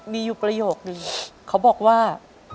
มีอยู่ประโยคนึงเขาบอกว่า